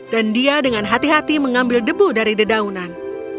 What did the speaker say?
dan dia dengan hati hati mengambil debu dari dedaunan